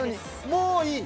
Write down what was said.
もういい。